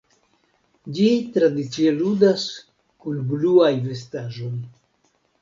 Ĝi tradicie ludas kun bluaj vestaĵoj.